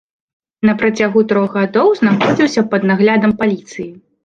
На працягу трох гадоў, знаходзіўся пад наглядам паліцыі.